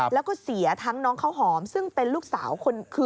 แล้วก็เสียทั้งน้องข้าวหอมซึ่งเป็นลูกสาว